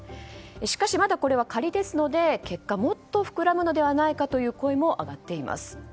しかしまだこれは仮ですので結果もっと膨らむのではないかという声も上がっています。